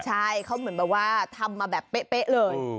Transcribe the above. ใช่เขาเหมือนแบบว่าทำมาแบบเป๊ะเลย